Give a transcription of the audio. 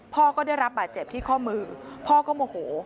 พ่อก็ได้รับบาดเจ็บที่ข้อมือพ่อก็โมโห